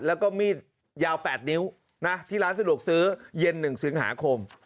แล้วก็มีดยาว๘นิ้วนะที่ร้านสะดวกซื้อเย็น๑สิงหาคม